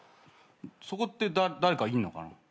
そこって誰かいんのかな？